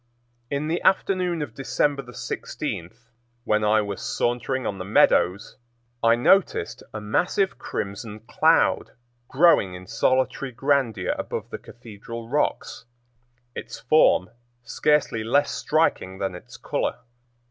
In the afternoon of December 16, when I was sauntering on the meadows, I noticed a massive crimson cloud growing in solitary grandeur above the Cathedral Rocks, its form scarcely less striking than its color.